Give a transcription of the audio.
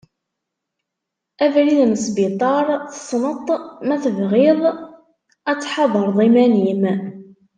Abrid n Sbiṭer tesneḍ-t, ma tebɣiḍ ad tḥadreḍ iman-im.